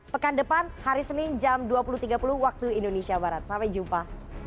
pekan depan hari senin jam dua puluh tiga puluh waktu indonesia barat sampai jumpa